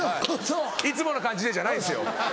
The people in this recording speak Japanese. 「いつもの感じで」じゃないんですよ。